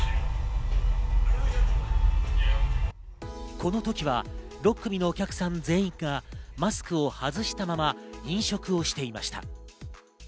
この時は６組のお客さん全員がマスクを外したまま飲食をしていました。